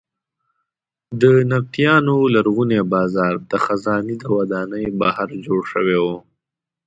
د نبطیانو لرغونی بازار د خزانې د ودانۍ بهر جوړ شوی و.